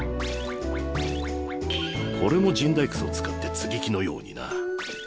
これも神代楠を使って接ぎ木のようにな。